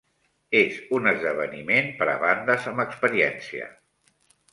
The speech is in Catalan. És un esdeveniment per a bandes amb experiència.